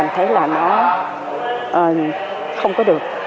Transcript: mình thấy là nó không có được